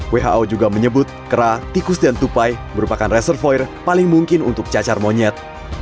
who juga menyebut kera tikus dan tupai merupakan reservoir paling mungkin untuk cacar monyet